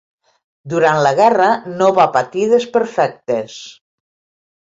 Durant la guerra no va patir desperfectes.